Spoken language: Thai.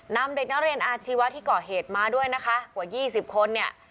นำเด็กนักเรียนอาชีวะที่ก่อเหตุมาด้วยนะคะกว่ายี่สิบคนเนี่ย